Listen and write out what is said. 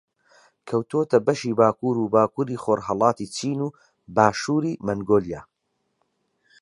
کەوتووەتە بەشی باکوور و باکووری خۆڕھەڵاتی چین و باشووری مەنگۆلیا